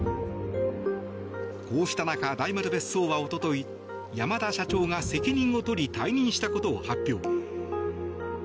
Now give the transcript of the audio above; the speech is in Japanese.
こうした中、大丸別荘はおととい山田社長が責任を取り退任したことを発表。